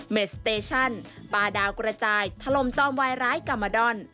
สเตชั่นปลาดาวกระจายถล่มจอมวายร้ายกามาดอน